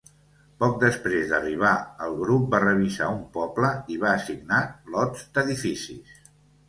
Poc després d'arribar, el grup va revisar un poble i va assignar lots d'edificis.